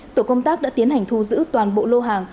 tổ công tác đã tiến hành thu giữ toàn bộ lô hàng